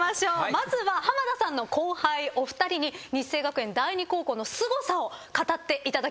まずは浜田さんの後輩お二人に日生学園第二高校のすごさを語っていただきます。